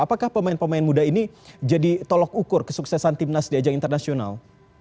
apakah pemain pemain muda ini jadi tolok ukur kesuksesan timnas di ajang internasional